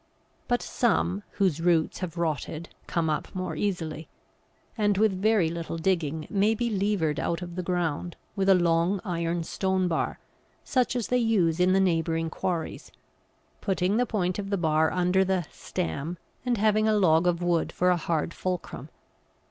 But some, whose roots have rotted, come up more easily, and with very little digging may be levered out of the ground with a long iron stone bar, such as they use in the neighbouring quarries, putting the point of the bar under the "stam," and having a log of wood for a hard fulcrum.